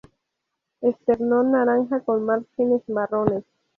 Esternón naranja con márgenes marrones.